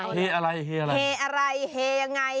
เฮอะไรเฮยังไง